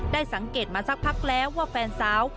สังเกตมาสักพักแล้วว่าแฟนสาว